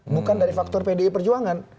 bukan dari faktor pdi perjuangan